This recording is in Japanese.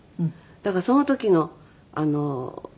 だからその時の印象？